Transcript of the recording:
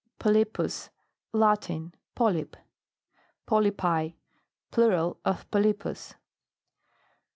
POLYPUS. Latin. Polype. POLYPI. Plural of Polypus.